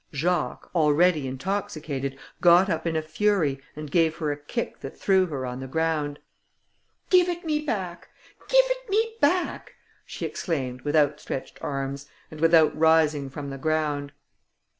Jacques, already intoxicated, got up in a fury, and gave her a kick that threw her on the ground. "Give it me back! give it me back!" she exclaimed, with outstretched arms, and without rising from the ground.